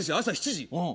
朝７時！